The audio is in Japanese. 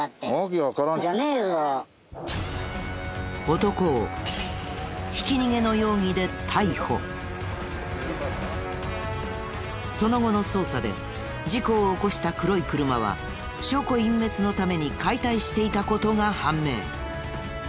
男をその後の捜査で事故を起こした黒い車は証拠隠滅のために解体していた事が判明。